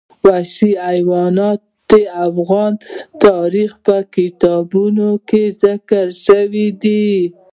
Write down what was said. وحشي حیوانات د افغان تاریخ په کتابونو کې ذکر شوي دي.